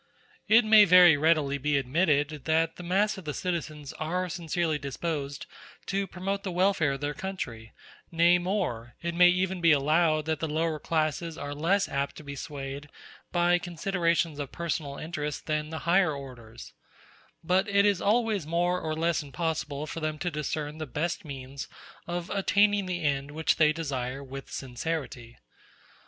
It may very readily be admitted that the mass of the citizens are sincerely disposed to promote the welfare of their country; nay more, it may even be allowed that the lower classes are less apt to be swayed by considerations of personal interest than the higher orders: but it is always more or less impossible for them to discern the best means of attaining the end which they desire with sincerity.